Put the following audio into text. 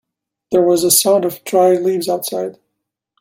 There was a sound of dry leaves outside.